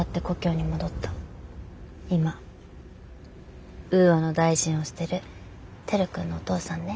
今ウーアの大臣をしてる照君のお父さんね。